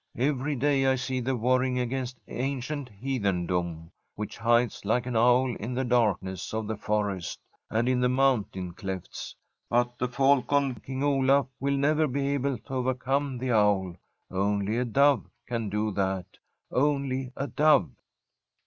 Every day I sec thee warring against ancient heathendom which hides like an owl in the darkness of the forest, and in the mountain clefts. But the falcon, King Olaf, will never be able to overcome the owl. Only a dove can do that, only a dove.'